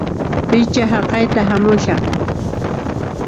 Pichá haqayta hamushan!